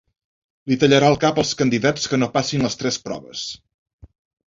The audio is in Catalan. Li tallarà el cap als candidats que no passin les tres proves.